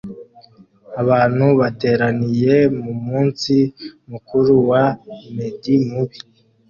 Abantu bateraniye mumunsi mukuru wa med-mubi